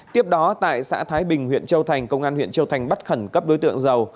tiếp đó tại xã thái bình huyện châu thành công an huyện châu thành bắt khẩn cấp đối tượng giàu